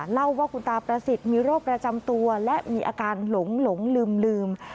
เล่าว่าคุณตาประสิทธิ์มีโรคประจำตัวและมีอาการหลงลืม